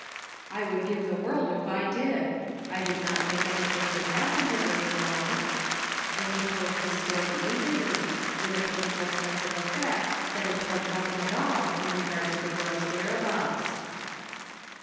" I would give the world if I did. I did not think anything could happen to her, you know," and he told his story eagerly, with a painful sense of the fact that it told nothing at all in regard to the girl's whereabouts.